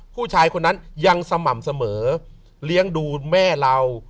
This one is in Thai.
ผู้ชายคนนั้นยังสม่ำเสมอเลี้ยงดูแม่เรา